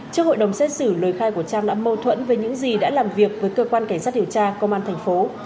trước hội đồng xét xử lời khai của trang đã mâu thuẫn với những gì đã làm việc với cơ quan cảnh sát điều tra công an thành phố